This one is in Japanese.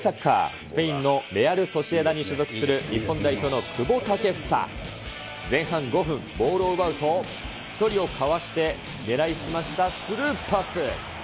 スペインのレアル・ソシエダに所属する日本代表の久保建英。前半５分、ボールを奪うと、１人をかわして狙い澄ましたスルーパス。